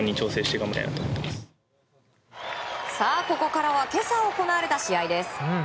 ここからは今朝行われた試合です。